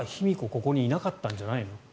ここにいなかったんじゃないの。